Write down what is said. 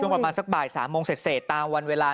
ป๊อดสิ่งตัวเนี่ย